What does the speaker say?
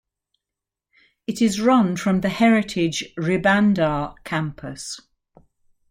It is run from the heritage Ribandar campus.